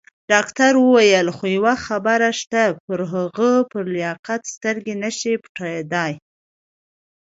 ډاکټر وویل: خو یوه خبره شته، پر هغه پر لیاقت سترګې نه شي پټېدای.